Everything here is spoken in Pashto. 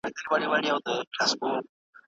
په هره برخه کي به مو هڅي د بریا راز وي.